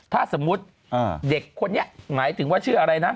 ถ้าสมมุติเด็กคนนี้หมายถึงว่าชื่ออะไรนะ